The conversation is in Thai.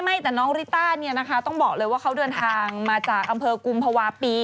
ไม่แต่น้องริต้าเนี่ยนะคะต้องบอกเลยว่าเขาเดินทางมาจากอำเภอกุมภาวะปี